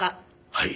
はい。